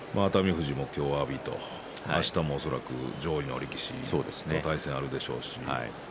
富士も今日は阿炎とあしたも恐らく上位の力士との対戦があるでしょうし